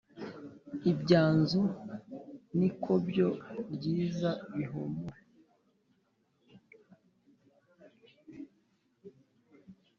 Ibyanzu n’ikobyo ryiza bihumure